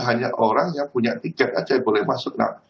hanya orang yang punya tiket aja yang boleh masuk nah